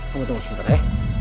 kamu tunggu sebentar ya